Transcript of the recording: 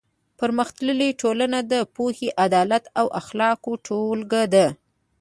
پرمختللې ټولنه د پوهې، عدالت او اخلاقو ټولګه ده.